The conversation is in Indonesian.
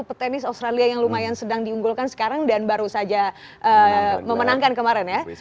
petenis australia yang lumayan sedang diunggulkan sekarang dan baru saja memenangkan kemarin ya